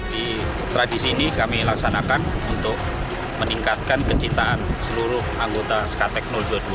di tradisi ini kami laksanakan untuk meningkatkan kecintaan seluruh anggota skatek dua puluh dua